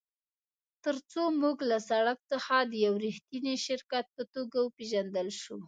ترڅو موږ له سړک څخه د یو ریښتیني شرکت په توګه وپیژندل شو